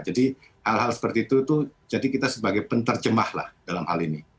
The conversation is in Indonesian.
jadi hal hal seperti itu jadi kita sebagai penterjemah dalam hal ini